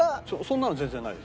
そんなの全然ない。